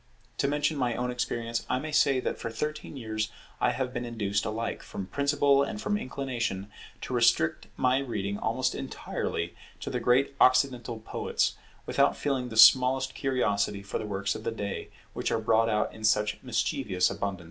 To mention my own experience, I may say that for thirteen years I have been induced alike from principle and from inclination, to restrict my reading almost entirely to the great Occidental poets, without feeling the smallest curiosity for the works of the day which are brought out in such mischievous abundance.